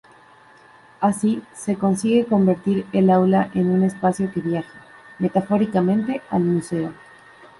Así, se consigue convertir el aula en un espacio que viaja, metafóricamente, al museo.